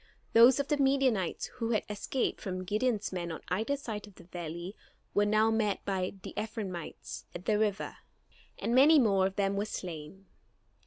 Those of the Midianites who had escaped from Gideon's men on either side of the valley were now met by the Ephraimites at the river, and many more of them were slain.